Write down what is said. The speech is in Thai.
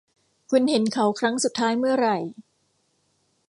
คุณเห็นเขาครั้งสุดท้ายเมื่อไหร่